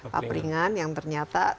paperingan yang ternyata